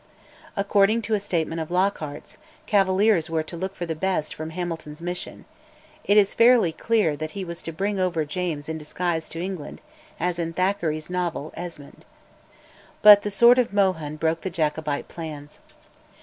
According to a statement of Lockhart's, "Cavaliers were to look for the best" from Hamilton's mission: it is fairly clear that he was to bring over James in disguise to England, as in Thackeray's novel, 'Esmond.' But the sword of Mohun broke the Jacobite plans.